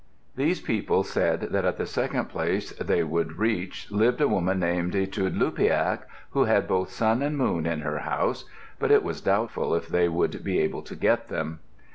These people said that at the second place which they would reach lived a woman named Itudluqpiaq who had both sun and moon in her house, but it was doubtful if they would be able to get them.